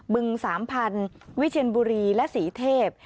บึงสามพันธุ์วิเชียนบุรีและศรีเทพ